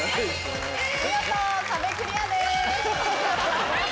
見事壁クリアです。